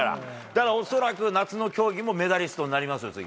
だから恐らく夏の競技もメダリストになりますよ、次。